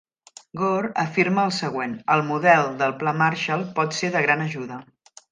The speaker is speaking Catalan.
Gore afirma el següent: el modele del pla Marshall pot ser de gran ajuda.